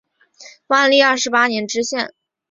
万历二十八年知县。